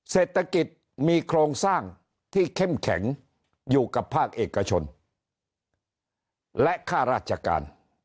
เศรษฐกิจมีโครงสร้างที่เข้มแข็งอยู่กับภาคเอกชนและค่าราชการ